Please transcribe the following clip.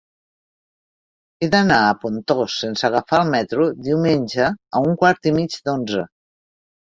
He d'anar a Pontós sense agafar el metro diumenge a un quart i mig d'onze.